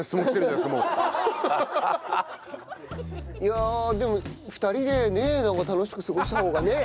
いやあでも２人でなんか楽しく過ごした方がねえ。